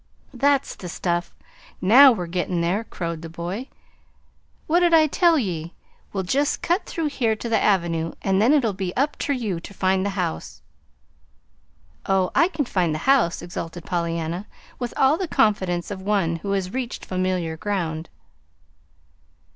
"That's the stuff! Now we're gettin' there," crowed the boy. "What'd I tell ye? We'll just cut through here to the Avenue, an' then it'll be up ter you ter find the house." "Oh, I can find the house," exulted Pollyanna, with all the confidence of one who has reached familiar ground.